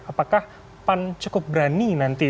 apakah pan cukup berani nanti